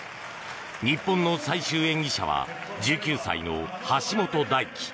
日本の最終演技者は１９歳の橋本大輝。